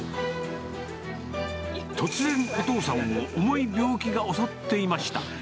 突然、お父さんを重い病気が襲っていました。